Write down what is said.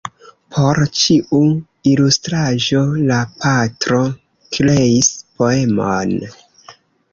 Por ĉiu ilustraĵo la patro kreis poemon.